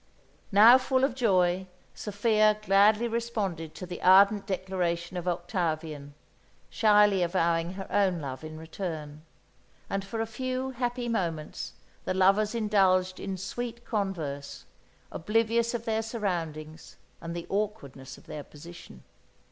Now full of joy, Sophia gladly responded to the ardent declaration of Octavian, shyly avowing her own love in return; and for a few happy moments the lovers indulged in sweet converse, oblivious of their surroundings and the awkwardness of their position.